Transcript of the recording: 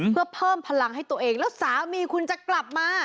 เพื่อเพิ่มพลังให้ตัวเองแล้วสามีคุณจะกลับมา